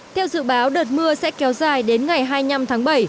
theo dự báo đợt mưa sẽ kéo dài đến ngày hai mươi năm tháng bảy